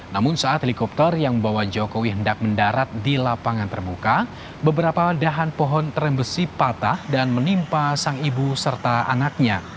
namun saat helikopter yang membawa jokowi hendak mendarat di lapangan terbuka beberapa dahan pohon terembesi patah dan menimpa sang ibu serta anaknya